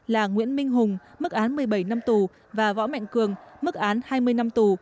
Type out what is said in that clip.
là nguyễn minh hùng mức án một mươi bảy năm tù và võ mạnh cường mức án hai mươi năm tù